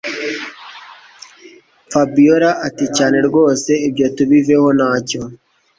Fabiora aticyane rwose ibyo tubiveho ntacyo